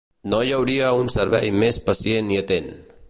No hi hauria un servei més pacient i atent.